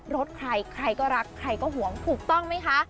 รถใครใครก็รักใครก็ห่วงถูกต้องไหมคะ